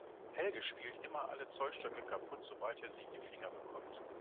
Helge spielt immer alle Zollstöcke kaputt, sobald er sie in die Finger bekommt.